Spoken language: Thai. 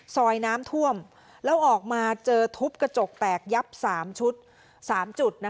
น้ำท่วมแล้วออกมาเจอทุบกระจกแตกยับ๓ชุด๓จุด